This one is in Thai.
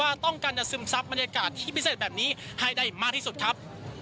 ว่าต้องการจะซึมซับบรรยากาศที่พิเศษแบบนี้ให้ได้มากที่สุดครับ